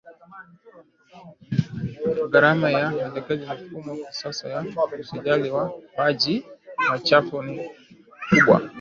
Gharama ya uwekezaji ya mifumo ya kisasa ya ukusanyaji wa maji machafu ni kubwa